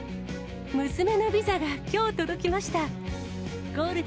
娘のビザがきょう届きました。